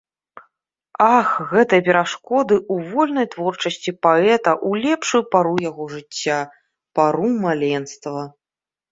Ах, гэтыя перашкоды ў вольнай творчасці паэта ў лепшую пару яго жыцця, пару маленства!